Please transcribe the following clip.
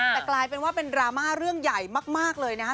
แต่กลายเป็นว่าเป็นดราม่าเรื่องใหญ่มากเลยนะครับ